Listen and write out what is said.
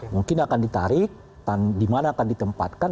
mungkin akan ditarik dan dimana akan ditempatkan